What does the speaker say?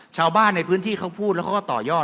ชาวบ้านในพื้นที่เขาพูดแล้วเขาก็ต่อยอด